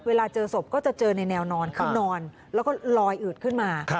เวลาเจอศพก็จะเจอในแนวนอนคือนอนแล้วก็ลอยอืดขึ้นมา